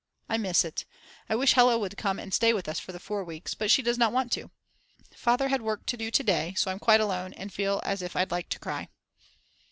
I miss it. I wish Hella would come and stay with us for the 4 weeks. But she does not want to. Father had work to do to day, so I'm quite alone and feel as if I'd like to cry.